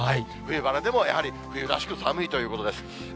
冬晴れでも、やはり冬らしく寒いということです。